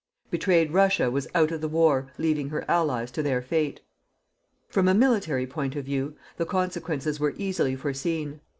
Betrayed Russia was out of the war, leaving her Allies to their fate. From a military point of view, the consequences were easily foreseen.